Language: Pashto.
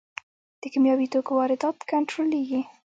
د کیمیاوي توکو واردات کنټرولیږي؟